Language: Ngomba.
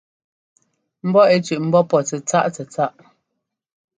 Mbɔ ɛ́ tsʉ̄ꞌ ḿbɔ́ pɔ́ tsɛ́tsáꞌ tsɛ́tsáꞌ.